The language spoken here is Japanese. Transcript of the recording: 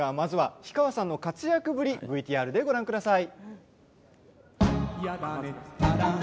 氷川さんのご活躍ぶりＶＴＲでご覧ください。